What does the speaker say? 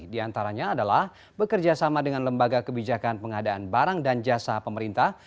di antaranya adalah bekerjasama dengan lembaga kebijakan pengadaan barang dan jasa pemerintah